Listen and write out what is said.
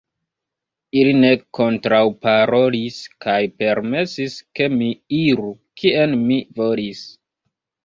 Ili ne kontraŭparolis, kaj permesis, ke mi iru, kien mi volis.